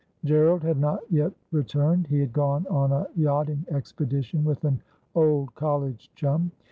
Gerald had not yet returned. He had gone on a yachting expedition with an old college chum.